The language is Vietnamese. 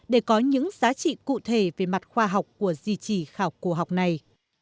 để có những giá trị cụ thể về mặt khoa học của di trì khảo cổ học này